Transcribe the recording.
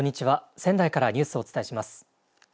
仙台からニュースをお伝えします。